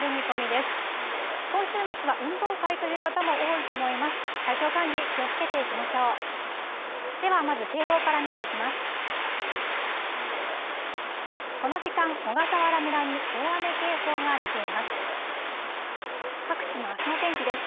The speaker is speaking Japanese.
では、まず警報から見ていきます。